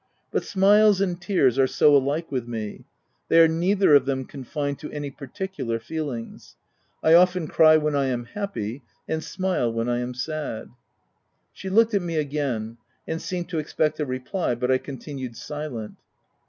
But smiles and tears are so alike with me ; they are neither of them confined to any particular feelings : I often cry when I am happy, and smile when I am sad." She looked at me again, and seemed to expect a reply ; but I continued silent.